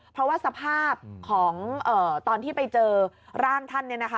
เพราะว่าสภาพของตอนที่ไปเจอร่างท่านเนี่ยนะคะ